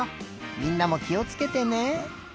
みんなもきをつけてね。